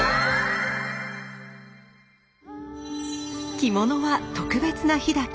着物は特別な日だけ。